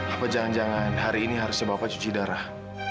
apa jangan jangan hari ini harusnya bapak cuci darah